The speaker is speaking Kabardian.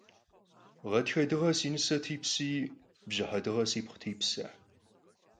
Ğatxe dığe si nıse tipsi, bjıhe dığe sipxhu tipse.